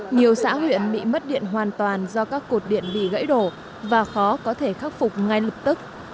nhiều xã huyện bị mất điện hoàn toàn do các cột điện bị gãy đổ và khó có thể khắc phục ngay lập tức